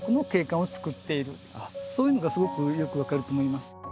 そういうのがすごくよく分かると思います。